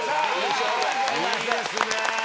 いいですね。